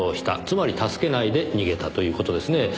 つまり助けないで逃げたという事ですねぇ。